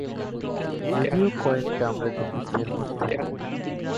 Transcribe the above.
যদিও কয়েকটা আমরা দেখেছি এরমধ্যে।